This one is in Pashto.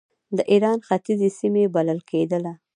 د ایران ختیځې سیمې بلل کېدله.